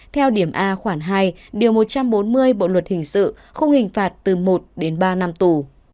theo điểm a khoảng hai điều một trăm bốn mươi bộ luật hình sự không hình phạt từ một đến ba năm tù